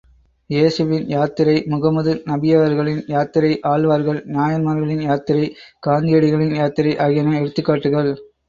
ஏசுவின் யாத்திரை, முகம்மது நபியவர்களின் யாத்திரை, ஆழ்வார்கள், நாயன்மார்களின் யாத்திரை, காந்தியடிகளின் யாத்திரை ஆகியன எடுத்துக்காட்டுக்கள்.